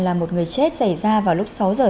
là một người chết xảy ra vào lúc sáu h sáng